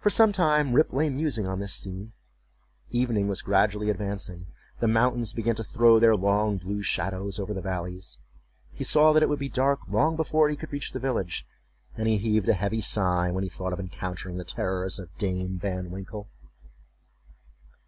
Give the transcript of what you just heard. For some time Rip lay musing on this scene; evening was gradually advancing; the mountains began to throw their long blue shadows over the valleys; he saw that it would be dark long before he could reach the village, and he heaved a heavy sigh when he thought of encountering the terrors of Dame Van Winkle.